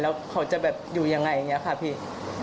แล้วเขาจะแบบอยู่ยังไงอย่างนี้ค่ะพี่